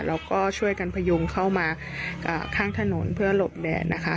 แล้วก็ช่วยกันพยุงเข้ามาข้างถนนเพื่อหลบแดดนะคะ